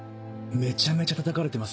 めちゃめちゃたたかれてます。